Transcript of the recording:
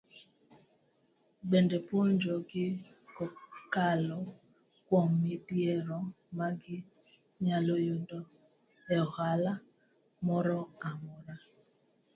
Bende puonjo gi kokalo kuom midhiero magi nyalo yudo e ohala moro amora.